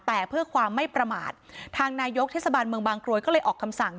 แต่เพื่อความไม่ประมาททางนายกเทศบาลเมืองบางกรวยก็เลยออกคำสั่ง